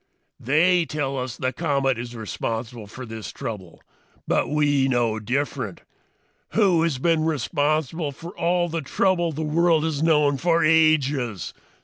"They tell us the comet is responsible for this trouble. But we know different. Who has been responsible for all the trouble the world has known for ages?